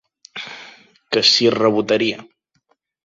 Que s'hi rebotaria.